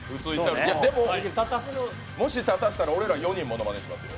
でも、もし立たせたら俺ら４人ものまねしますよ。